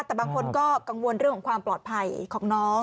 แต่บางคนก็กังวลเรื่องของความปลอดภัยของน้อง